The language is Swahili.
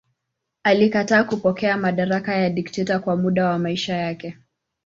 Alikataa kupokea madaraka ya dikteta kwa muda wa maisha yake.